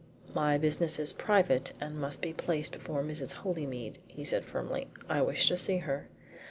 "My business is private, and must be placed before Mrs. Holymead," he said firmly. "I wish to see her."